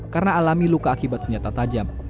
karena alami luka akibat senjata tajam